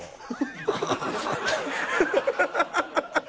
ハハハハ！